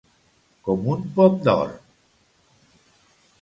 Com un pom d'or.